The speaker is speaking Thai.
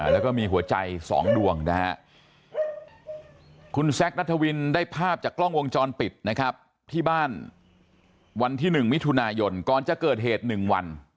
แล้วก็มีหัวใจ๒ดวงนะฮะคุณแซคนัทวินได้ภาพจากกล้องวงจรปิดนะครับที่บ้านวันที่๑มิถุนายนก่อนจะเกิดเหตุ๑วัน